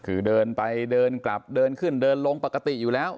คือเดินไปเดินกลับเดินขึ้นเดินลงปกติอยู่แล้ว